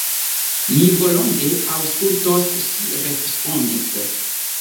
Mi volonte aŭskultos, ŝi respondis.